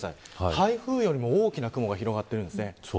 台風よりも大きな雲が広がっているんです。